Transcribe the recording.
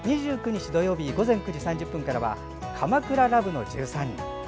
２９日土曜日午前９時３０分からは「鎌倉ＬＯＶＥの１３人」。